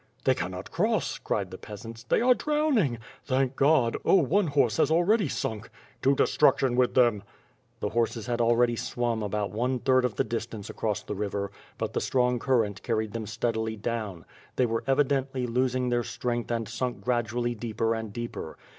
"They cannot cross," cried the peasants. "They are drowning." "Thank God! Oh, one horse has already sunk." "To destruction with them." The horses had already swum about one third of the dis tance across the river, but the strong current carried them steadily down. They were evidently losing their strength and sunk gradually deeper and deeper.